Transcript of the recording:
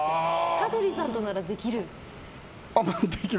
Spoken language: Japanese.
香取さんとならできる？